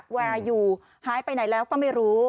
แวร์อยู่หายไปไหนแล้วก็ไม่รู้